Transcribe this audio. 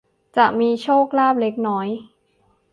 จะมีโชคลาภเล็กน้อย